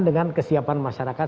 dengan kesiapan masyarakat